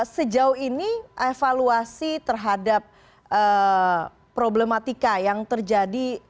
sejauh ini evaluasi terhadap problematika yang terjadi